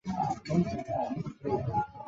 全剧本工作由山口亮太担任。